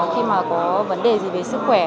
khi mà có vấn đề gì về sức khỏe